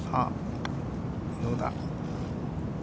どうだ。